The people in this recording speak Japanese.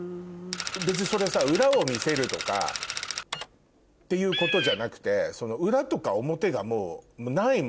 別にそれは裏を見せるとかっていうことじゃなくて。